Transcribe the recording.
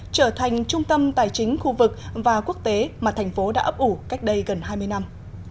trở thành trung tâm tài chính khu vực và quốc tế mà thành phố đã ấp ủ cách đây gần hai mươi năm